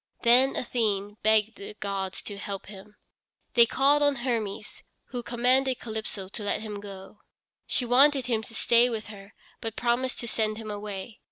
Then Athene begged the gods to help him. They called on Hermes, who commanded Calypso to let him go. She wanted him to stay with her but promised to send him away.